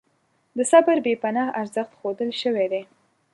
د صبر بې پناه ارزښت ښودل شوی دی.